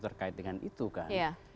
terkait dengan itu kan